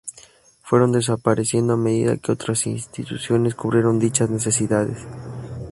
Fueron desapareciendo a medida que otras instituciones cubrieron dichas necesidades.